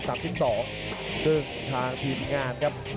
ซึ่งทางทีมงานครับ